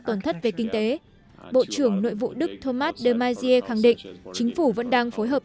tổn thất về kinh tế bộ trưởng nội vụ đức thomas demajie khẳng định chính phủ vẫn đang phối hợp